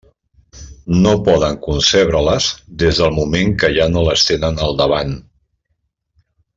No poden concebre-les des del moment que ja no les tenen al davant.